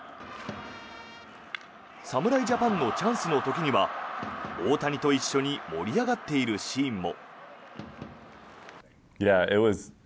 侍ジャパンのチャンスの時には大谷と一緒に盛り上がっているシーンも。